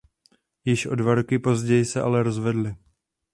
Již o dva roky později se ale rozvedli.